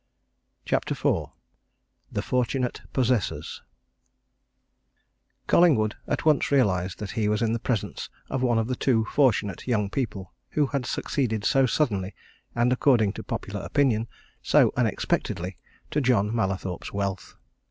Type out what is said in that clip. CHAPTER IV THE FORTUNATE POSSESSORS Collingwood at once realized that he was in the presence of one of the two fortunate young people who had succeeded so suddenly and, according to popular opinion, so unexpectedly to John Mallathorpe's wealth.